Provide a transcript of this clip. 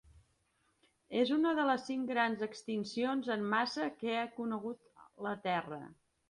És una de les cinc grans extincions en massa que ha conegut la Terra.